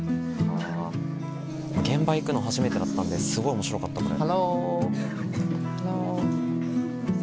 現場行くの初めてだったんですごい面白かったこれ。